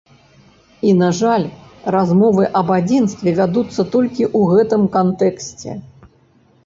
І, на жаль, размовы аб адзінстве вядуцца толькі ў гэтым кантэксце.